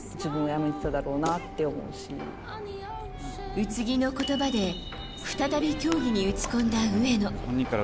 宇津木の言葉で再び競技に打ち込んだ上野。